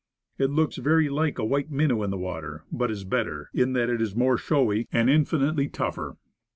It looks very like a white minnow in the water; but is better, in that it is more showy, and infinitely tougher.